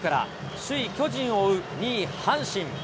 首位巨人を追う２位阪神。